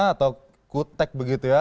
atau kutek begitu ya